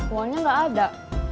uangnya gak ada